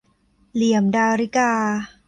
เหลี่ยมดาริกา